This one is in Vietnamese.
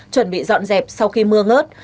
chuẩn bị dọn dẹp sau khi mưa ngớt